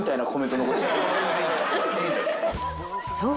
［そう。